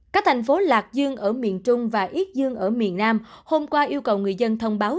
các thành phố lạc dương ở miền trung và yết dương ở miền nam hôm qua yêu cầu người dân thông báo